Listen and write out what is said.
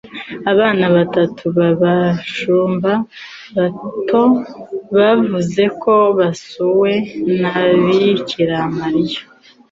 abana batatu b'abashumba bato bavuze ko basuwe na Bikira Mariya